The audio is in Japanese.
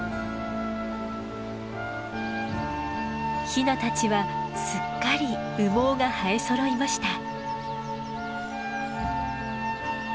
ヒナたちはすっかり羽毛が生えそろいました。